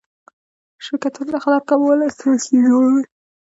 شرکتونه د خطر کمولو ستراتیژي جوړوي.